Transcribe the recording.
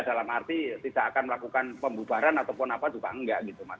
dalam arti tidak akan melakukan pembubaran ataupun apa juga enggak gitu mas